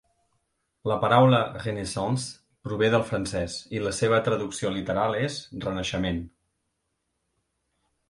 La paraula "Renaissance" prové del francès i la seva traducció literal és "Renaixement".